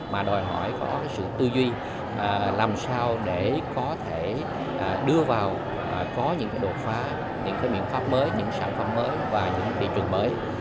mà đòi hỏi có sự tư duy làm sao để có thể đưa vào có những đột phá những cái biện pháp mới những sản phẩm mới và những thị trường mới